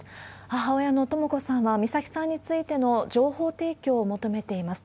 母親のとも子さんは、美咲さんについての情報提供を求めています。